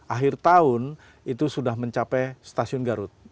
akhir tahun itu sudah mencapai stasiun garut